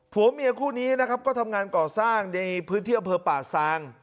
ผัวเมียคู่นี้นะครับก็ทำงานก่อสร้างในพื้นที่อำเภอป่าซาง